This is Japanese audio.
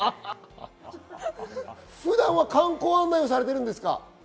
普段は観光案内をされてるんですか？